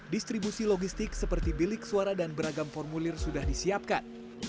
distribusi logistik seperti bilik suara dan beragam formulir sudah disiapkan